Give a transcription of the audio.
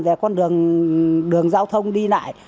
về con đường giao thông đi lại